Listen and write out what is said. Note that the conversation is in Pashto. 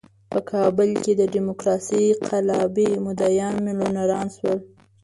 په کابل کې د ډیموکراسۍ قلابي مدعیان میلیونران شول.